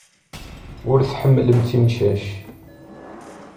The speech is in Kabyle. Ur tḥemmlemt imcac.